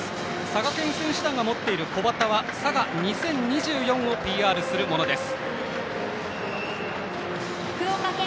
佐賀県選手団が持っている小旗は佐賀２０２４をＰＲするものです。